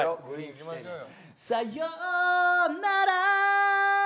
いきましょうよ